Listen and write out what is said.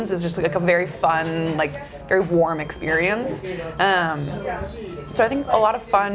tapi saya pikir itu sebabnya saya suka ramen